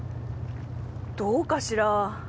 どうかしら。